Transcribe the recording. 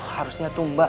harusnya tuh mbak